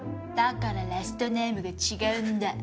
だからラストネームが違うんだ。